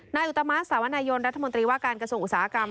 นายุตามะสาวนายนรัฐมนตรีว่าการกระสุนอุตสาหกรรม